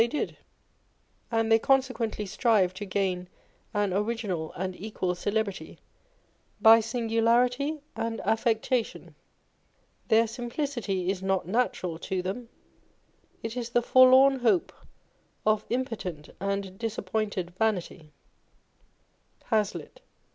they did ; and they consequently strive to gain an original and equal celebrity by singularity and affectation. Their simplicity is not natural to them : it is the forlorn hope of impotent and disappointed vanity. Hazlitt.